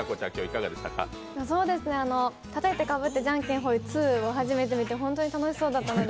たたいてかぶってじゃんけんぽん２を初めて見て本当に楽しそうだったので。